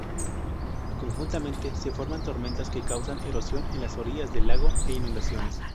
Conjuntamente se forman tormentas que causan erosión en las orillas del lago e inundaciones.